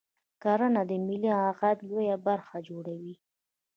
کرنه د ملي عاید لویه برخه جوړوي